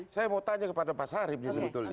saya mau tanya kepada pak sarip ya sebetulnya